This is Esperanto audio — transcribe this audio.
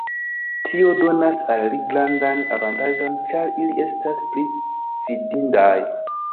Tio donas al ili grandan avantaĝon ĉar ili estas pli fidindaj.